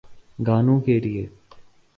گانوں کیلئے۔